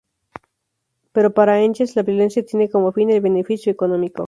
Pero para Engels la violencia tiene como fin el beneficio económico.